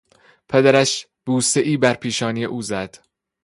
پدرش بوسهای بر پیشانی او زد.